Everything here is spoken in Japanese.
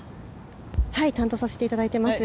担当させていただいています。